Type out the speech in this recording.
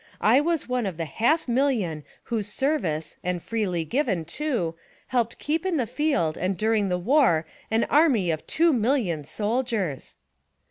... I WAS ONE OF THE HALF MILLION WHOSE SERVICE, AND FREELY GIVEN, TOO, HELPED KEEP IN THE FIELD AND DURING THE WAR AN ARAIY OF TWO MILLION SOLDIERS